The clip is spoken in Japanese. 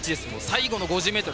最後の５０ｍ。